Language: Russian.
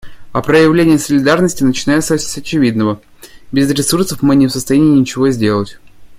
А проявление солидарности начинается с очевидного: без ресурсов мы не в состоянии ничего сделать.